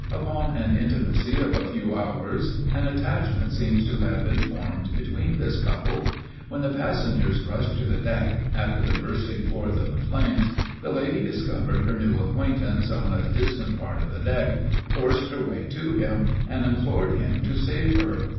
Upon an intimacy of a few hours an attachment seems to have been formed between this couple. When the passengers rushed to the deck, after the bursting forth of the flames, the lady discovered her new acquaintance on a distant part of the deck, forced her way to him, and implored him to save her.